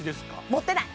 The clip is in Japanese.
持ってない！